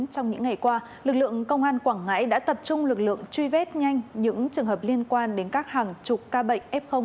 trong những ngày qua lực lượng công an quảng ngãi đã tập trung lực lượng truy vết nhanh những trường hợp liên quan đến các hàng chục ca bệnh f